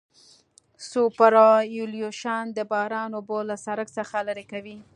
سوپرایلیویشن د باران اوبه له سرک څخه لرې کوي